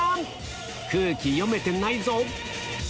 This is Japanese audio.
空気読めてないぞ。